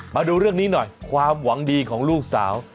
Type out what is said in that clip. มาดูเรื่องนี้หน่อยความหวังดีของลูกสาว